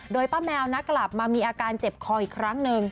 โดยป้าแมวนะกลับมามีอาการเจ็บคออีกครั้งหนึ่ง